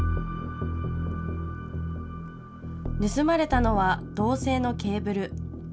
盗まれたのは銅製のケーブル。